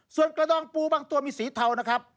ส่วนกระดองปูบางตัวมีสีเทานะครับ